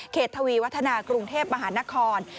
ทวีวัฒนากรุงเทพมหานคร